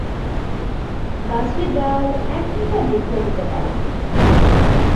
গাছের ডাল এক মিটার দীর্ঘ হতে পারে।